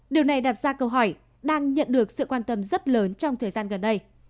điều này đặt ra câu hỏi đang nhận được sự quan tâm rất lớn trong thời gian gần đây